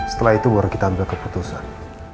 setelah itu baru kita ambil keputusan